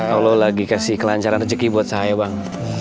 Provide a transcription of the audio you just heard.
allah lagi kasih kelancaran rezeki buat saya bang